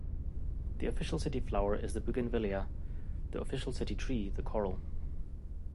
The official city flower is the Bougainvillea, the official city tree the Coral.